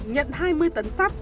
nhận hai mươi tấn sắt